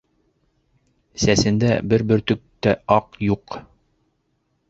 Сәсендә бер бөртөк тә аҡ юҡ.